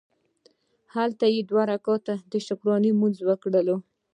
هلته یې دوه رکعته د شکرانې لمونځ وکړ.